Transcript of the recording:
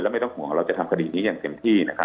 ไม่ต้องห่วงเราจะทำคดีนี้อย่างเต็มที่นะครับ